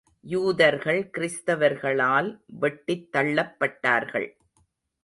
யூதர்கள் கிறிஸ்தவர்களால் வெட்டித் தள்ளப்பட்டார்கள்.